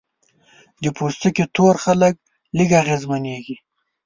د پوستکي تور خلک لږ اغېزمنېږي.